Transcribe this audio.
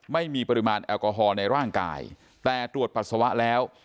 ไม่มีปริมาณแอลกอฮอล์ในร่างกายแต่ตรวจปัสสาวะแล้ว